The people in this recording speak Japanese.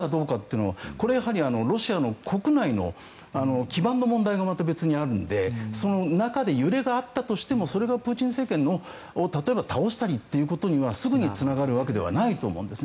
ただ、それが本当にプーチン政権の崩壊につながるかどうかはこれはやはりロシアの国内の基盤の問題がまた別にあるのでその中で揺れがあったとしてもそれがプーチン政権を例えば、倒したりということにはすぐにつながるわけではないと思うんです。